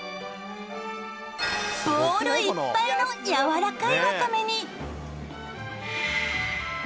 ボウルいっぱいのやわらかいわかめに！